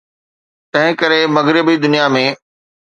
تنهنڪري مغربي دنيا ۾.